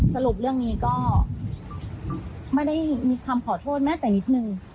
สรุปเรื่องนี้ก็ไม่ได้มีคำขอโทษแม้แต่นิดนึง